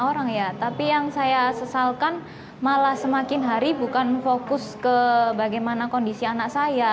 orang ya tapi yang saya sesalkan malah semakin hari bukan fokus ke bagaimana kondisi anak saya